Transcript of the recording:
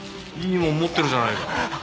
いいもん持ってるじゃないか。